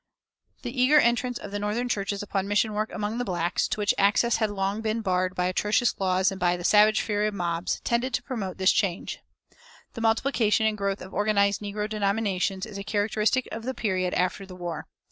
The eager entrance of the northern churches upon mission work among the blacks, to which access had long been barred by atrocious laws and by the savage fury of mobs, tended to promote this change. The multiplication and growth of organized negro denominations is a characteristic of the period after the war.